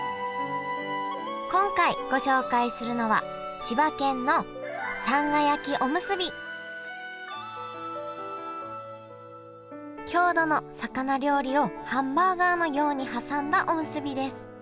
今回ご紹介するのは郷土の魚料理をハンバーガーのように挟んだおむすびです。